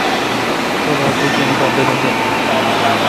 تبا ٹُکن پا دلے° دلے°